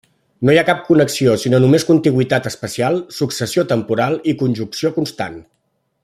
No n'hi ha cap connexió, sinó només contigüitat espacial, successió temporal i conjunció constant.